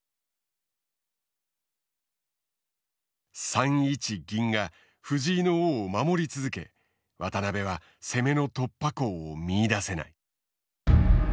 ３一銀が藤井の王を守り続け渡辺は攻めの突破口を見いだせない。